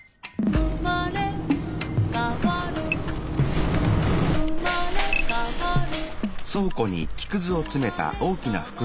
「うまれかわるうまれかわる」